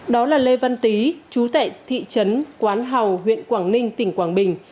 đó là lê văn tý chú tại thị trấn quán hào huyện quảng ninh tỉnh quảng bình